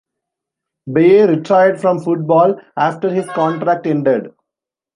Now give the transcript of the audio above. Beye retired from football after his contract ended.